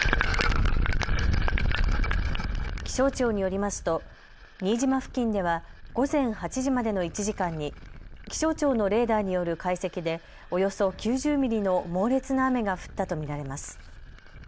気象庁によりますと新島付近では午前８時までの１時間に気象庁のレーダーによる解析でおよそ９０ミリの猛烈な雨が降ったと見られます。